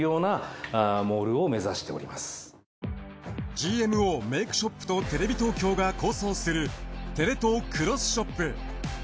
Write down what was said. ＧＭＯメイクショップとテレビ東京が構想するテレ東Ｘショップ。